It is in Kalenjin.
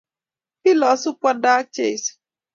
Kilosu Kwanda ak Jesu,